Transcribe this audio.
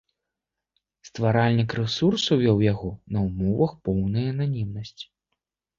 Стваральнік рэсурсу вёў яго на ўмовах поўнай ананімнасці.